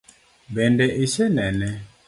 Bende isenene?